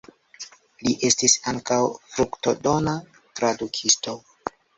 Li estis ankaŭ fruktodona tradukisto.